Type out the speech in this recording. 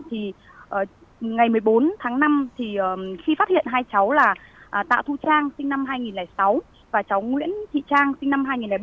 thì ngày một mươi bốn tháng năm thì khi phát hiện hai cháu là tạ thu trang sinh năm hai nghìn sáu